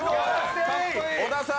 小田さん